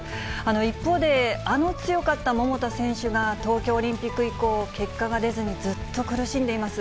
一方で、あの強かった桃田選手が東京オリンピック以降、結果が出ずにずっと苦しんでいます。